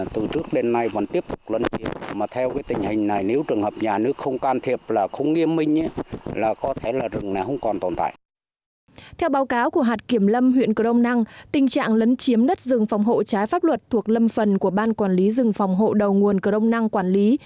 theo báo cáo của hạt kiểm lâm huyện crom năng tình trạng lấn chiếm đất rừng phòng hộ trái pháp luật thuộc lâm phần của ban quản lý rừng phòng hộ đầu nguồn crom năng quản lý